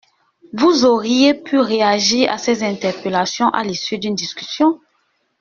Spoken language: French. Vous auriez pu réagir à ces interpellations à l’issue d’une discussion.